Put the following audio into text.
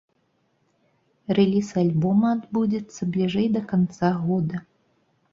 Рэліз альбома адбудзецца бліжэй да канца года.